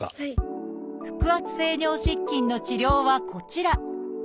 腹圧性尿失禁の治療はこちら。